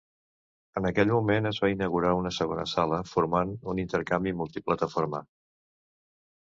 En aquest moment, es va inaugurar una segona sala formant un intercanvi multiplataforma.